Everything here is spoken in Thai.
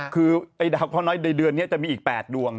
คือไอ้ดาวพ่อน้อยในเดือนนี้จะมีอีก๘ดวง